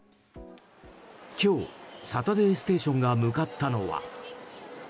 今日「サタデーステーション」が向かったのは。